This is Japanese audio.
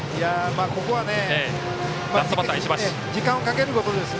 ここは時間をかけることです。